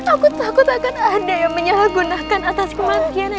aku takut akan ada yang menyalahgunakan atas kematian ayah anda